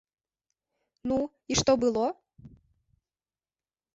Ну, і што было?